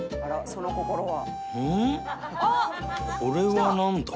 その心は？」